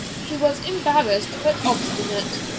He was embarrassed, but obstinate.